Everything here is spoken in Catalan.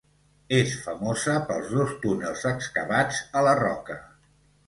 És famosa pels dos túnels excavats a la roca.